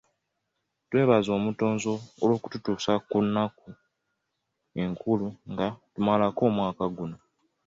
Twebaza omutonzi olw'okututuusa ku nnaku enkulu nga tumalako omwaka guno.